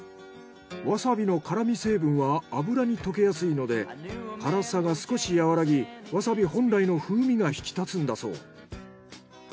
わさびの辛味成分は油に溶けやすいので辛さが少し和らぎわさび本来の風味が引き立つんだそう。